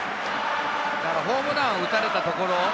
ホームランを打たれたところ。